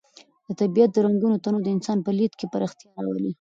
د طبیعت د رنګونو تنوع د انسان په لید کې پراختیا راولي.